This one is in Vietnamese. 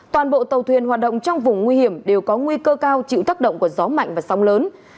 toàn bộ tàu thuyền hoạt động trong vùng nguy hiểm đều có nguy cơ cao chịu tác động của gió mạnh và sóng lớn